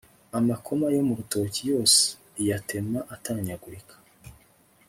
amakoma yo mu rutoke yose iyatema atanyagurika